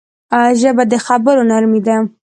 ژبه د خبرو نرمي ده